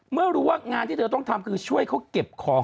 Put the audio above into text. เมื่อรู้ว่างานที่เธอต้องทำคือช่วยเขาเก็บของ